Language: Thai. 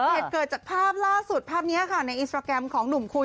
เหตุเกิดจากภาพล่าสุดภาพนี้ค่ะในอินสตราแกรมของหนุ่มคุย